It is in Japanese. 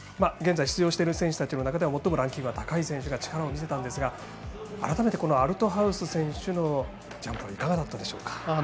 現在、出場している選手たちの中ではランキングが最も高い選手が力を見せたんですが改めて、アルトハウス選手のジャンプはいかがだったでしょうか。